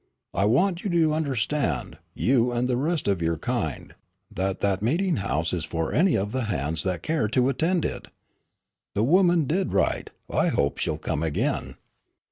I want you to understand, you and the rest of your kind, that that meeting house is for any of the hands that care to attend it. The woman did right. I hope she'll come again."